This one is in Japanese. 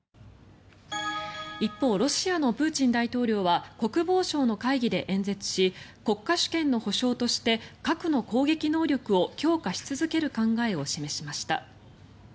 一方ロシアのプーチン大統領は国防省の会議で演説し国家主権の保証として核の攻撃能力を強化し続ける考えを示しました。